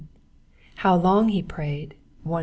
How long he prayed (148).